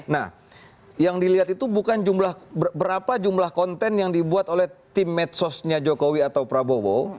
nah yang dilihat itu bukan berapa jumlah konten yang dibuat oleh tim medsosnya jokowi atau prabowo